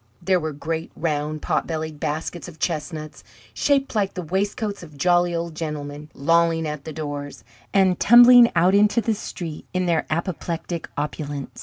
There were great, round, potbellied baskets of chestnuts, shaped like the waistcoats of jolly old gentlemen, lolling at the doors, and tumbling out into the street in their apoplectic opulence.